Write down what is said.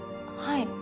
はい。